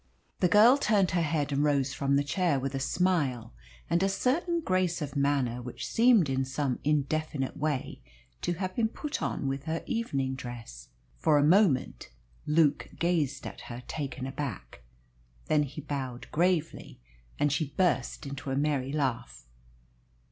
The girl turned her head and rose from the chair with a smile and a certain grace of manner which seemed in some indefinite way to have been put on with her evening dress. For a moment Luke gazed at her, taken aback. Then he bowed gravely, and she burst into a merry laugh.